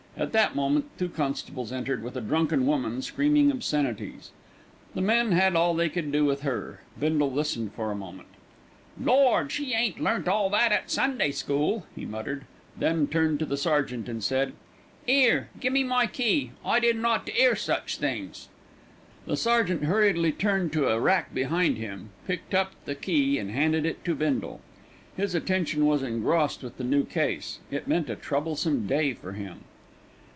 At that moment two constables entered with a drunken woman screaming obscenities. The men had all they could do to hold her. Bindle listened for a moment. "Lord, she ain't learnt all that at Sunday school," he muttered; then turning to the sergeant, said, "'Ere, gi'e me my key. I didn't ought to 'ear such things." The sergeant hurriedly turned to a rack behind him, picked up the key and handed it to Bindle. His attention was engrossed with the new case; it meant a troublesome day for him.